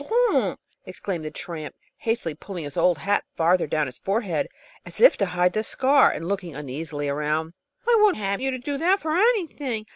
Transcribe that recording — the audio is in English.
"Oh, no! No, don't!" exclaimed the tramp, hastily, pulling his old hat farther over his forehead, as if to hide the scar, and looking uneasily around. "I wouldn't have you do that for anything.